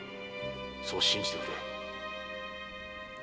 そう信じてくれ。